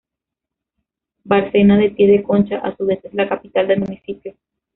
Bárcena de Pie de Concha a su vez es la capital del municipio.